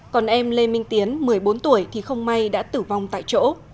còn em lê minh tiến một mươi bốn tuổi thì không may đã tử vong tại chỗ